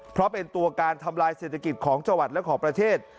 เพราะเป็นตัวการทำลายเศรษฐกิจของจังหวัดและของประเทศ